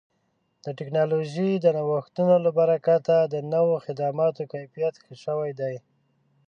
د ټکنالوژۍ د نوښتونو له برکته د نوو خدماتو کیفیت ښه شوی دی.